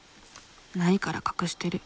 ないから隠してる。